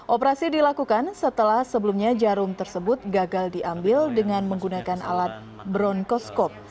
operasi dilakukan setelah sebelumnya jarum tersebut gagal diambil dengan menggunakan alat bronkoskop